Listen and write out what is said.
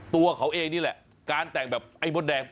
ตัวเขาเองนี่แหละการแต่งแบบไอ้มดแดง